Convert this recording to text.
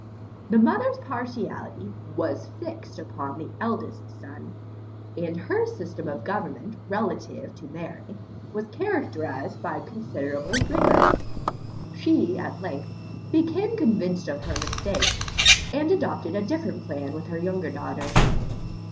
The mother's partiality was fixed upon the eldest son, and her system of government relative to Mary, was characterized by considerable rigour. She, at length, became convinced of her mistake, and adopted a different plan with her younger daughters.